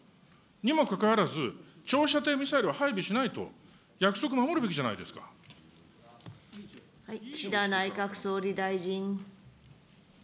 にもかかわらず、長射程ミサイルを配備しないと約束を守るべきじ岸田内閣総理大臣。